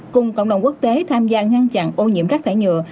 cùng cộng đồng quốc tế tham gia ngăn chặn ô nhiễm rác thải nhựa